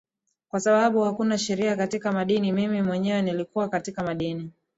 kwa sababu hakuna sheria katika madini mimi mwenyewe nilikuwa katika madini